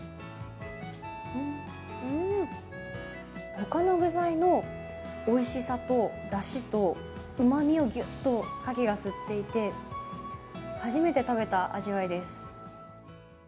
他の具材のおいしさとだしとうまみをぎゅっとかきが吸っていて初めて食べた味わいです。